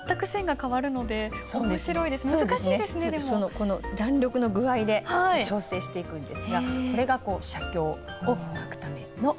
この弾力の具合で調整していくんですがこれが写経を書くための筆なんですね。